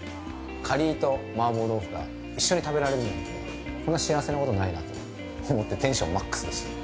カリーと麻婆豆腐が一緒に食べられるなんてこんな幸せなことないなと思ってテンションマックスでした。